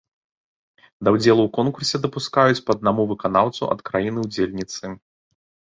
Да ўдзелу ў конкурсе дапускаюць па аднаму выканаўцу ад краіны-ўдзельніцы.